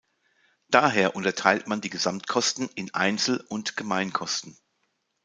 Daher unterteilt man die Gesamtkosten in Einzel- und Gemeinkosten.